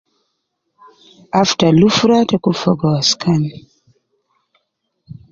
Afta lufura te kun fogo waskan